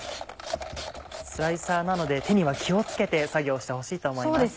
スライサーなので手には気を付けて作業してほしいと思います。